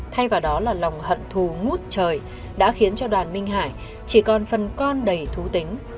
thay vào đó là lòng hận thù ngút trời đã khiến cho đoàn minh hải chỉ còn phần con đầy thú tính